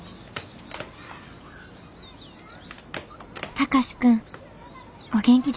「貴司君お元気ですか。